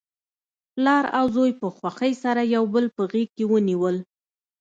پلار او زوی په خوښۍ سره یو بل په غیږ کې ونیول.